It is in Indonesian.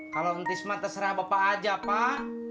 kalau ntis mah terserah bapak aja pak